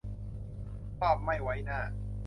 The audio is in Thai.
ว่าไม่ไว้หน้า